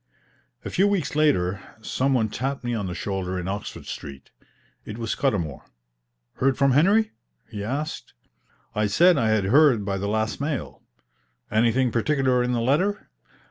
A few weeks later some one tapped me on the shoulder in Oxford Street. It was Scudamour. "Heard from Henry?" he asked. I said I had heard by the last mail. "Anything particular in the letter?"